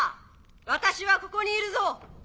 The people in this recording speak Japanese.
私はここにいるぞ！